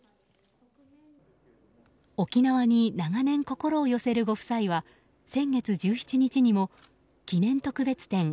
沖縄に長年、心を寄せるご夫妻は先月１７日にも記念特別展